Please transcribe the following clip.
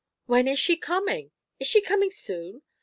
'When is she coming?' 'Is she coming soon?'